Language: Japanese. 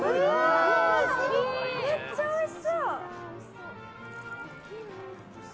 めっちゃおいしそう！